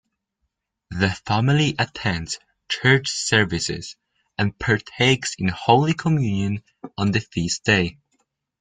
The family attends church services and partakes in Holy Communion on the feast day.